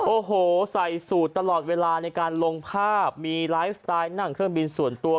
โอ้โหใส่สูตรตลอดเวลาในการลงภาพมีไลฟ์สไตล์นั่งเครื่องบินส่วนตัว